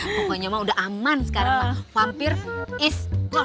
pokoknya udah aman sekarang vampir is